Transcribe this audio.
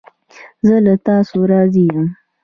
زه له تاسو راضی یم